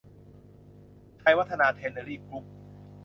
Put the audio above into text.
ชัยวัฒนา แทนเนอรี่ กรุ๊ป